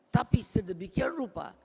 tapi sedemikian rupa